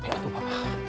ya tuhan ya tuhan